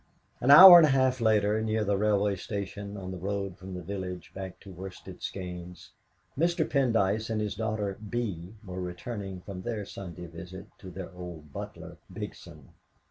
An hour and a half later, near the railway station, on the road from the village back to Worsted Skeynes, Mr. Pendyce and his daughter Bee were returning from their Sunday visit to their old butler, Bigson.